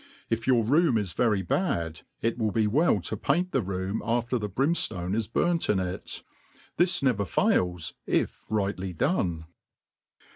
If your room is very bad, it wjll be well to paint tne room after the brimftone is burnt in it. . This never fail*, if rightly done.